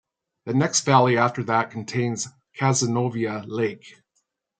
The next valley after that contains Cazenovia Lake.